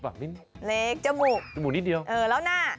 แล้วหน้า